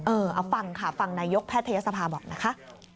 เอาฟังค่ะฟังนายกแพทยศภาบอกนะคะ